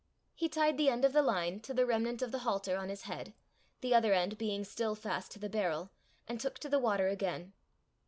He tied the end of the line to the remnant of the halter on his head, the other end being still fast to the barrel, and took to the water again.